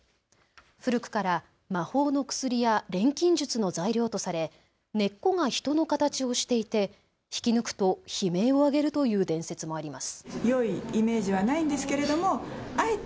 古くから魔法の薬や錬金術の材料とされ、根っこが人の形をしていて引き抜くと悲鳴を上げるという伝説もあります。